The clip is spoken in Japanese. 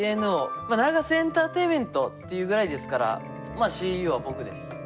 まあＮＡＧＡＳＥエンターテインメントっていうぐらいですからまあＣＥＯは僕です。